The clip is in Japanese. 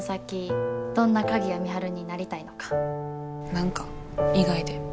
何か意外で。